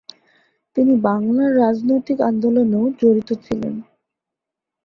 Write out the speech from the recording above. তিনি বাংলার রাজনৈতিক আন্দোলনেও জড়িত ছিলেন।